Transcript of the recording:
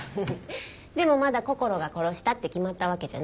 でもまだこころが殺したって決まったわけじゃないし。